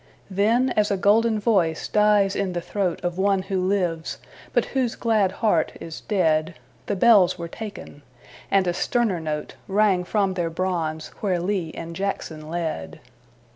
Then, as a golden voice dies in the throat Of one who lives, but whose glad heart is dead, The bells were taken; and a sterner note Rang from their bronze where Lee and Jackson led.